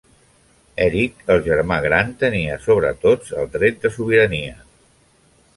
Eric, el germà gran, tenia, sobre tots, el dret de sobirania.